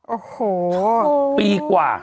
โอ้โหปีกว่า